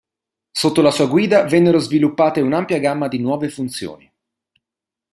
Sotto la sua guida vennero sviluppate un'ampia gamma di nuove funzioni.